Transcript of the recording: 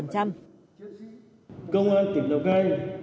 công an tỉnh lào cai